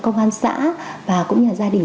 công an xã và cũng như là gia đình